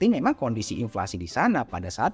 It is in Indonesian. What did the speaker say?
beras itu kan produksinya misalnya ada di jawa barat